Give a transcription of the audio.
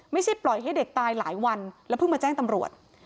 ไม่ใช่ปล่อยให้เด็กตายหลายวันแล้วเพิ่งมาแจ้งตำรวจ